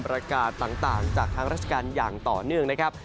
ประกาศต่างจากทางราชการอย่างต่อเนื่องนะครับ